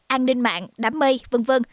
an ninh mạng đám mây v v